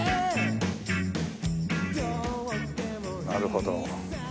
なるほど。